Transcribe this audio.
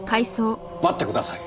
待ってください。